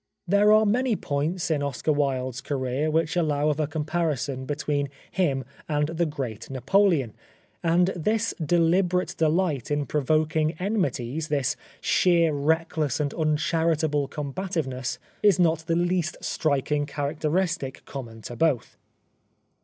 There are many points in Oscar Wilde's career which allow of a comparison between him and the great Napoleon ; and this deliberate delight in provoking enmities, this sheer reckless and uncharitable combativeness, is not the least striking characteristic common to both.